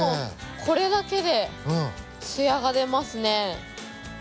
これだけで艶が出ますね。